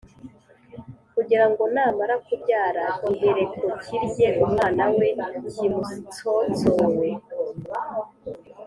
kugira ngo namara kubyara gihereko kirye umwana we kimutsōtsōbe.